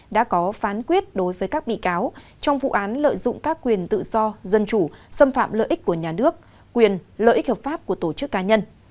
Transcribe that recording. đã có phán quyết đối với các bị cáo trong vụ án lợi dụng các quyền tự do dân chủ xâm phạm lợi ích của nhà nước quyền lợi ích hợp pháp của tổ chức cá nhân